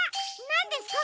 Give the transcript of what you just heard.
なんですか？